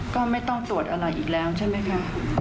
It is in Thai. ก็ไม่ต้องตรวจอะไรอีกแล้วใช่ไหมคะ